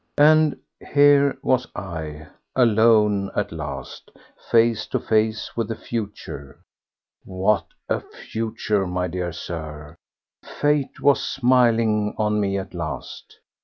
And here was I, alone at last, face to face with the future. What a future, my dear Sir! Fate was smiling on me at last.